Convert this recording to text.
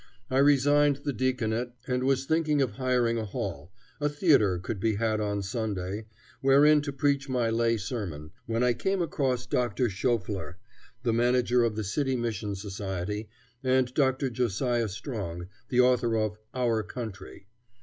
I resigned the diaconate and was thinking of hiring a hall a theatre could be had on Sunday wherein to preach my lay sermon, when I came across Dr. Schauffler, the manager of the City Mission Society, and Dr. Josiah Strong, the author of "Our Country."